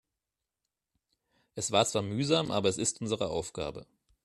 Es war zwar mühsam, aber es ist unsere Aufgabe.